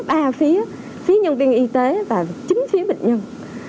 ba phía phía nhân viên y tế và chính phía bệnh nhân